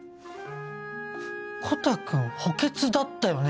コタくん補欠だったよね？